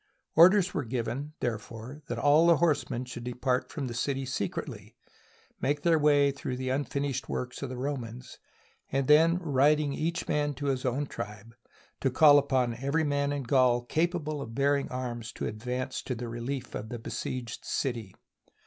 Orders were given, therefore, that all the horse men should depart from the city secretly, make their way through the unfinished works of the Romans, and then riding, each man to his own tribe, to call upon every man in Gaul capable of bearing arms to advance to the relief of the besieged city.